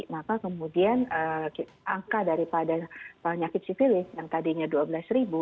maka kemudian angka daripada penyakit sivilis yang tadinya dua belas ribu